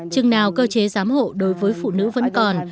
chừng nào cơ chế giám hộ đối với phụ nữ vẫn còn